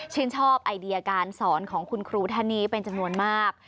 ชอบไอเดียการสอนของคุณครูท่านนี้เป็นจำนวนมาก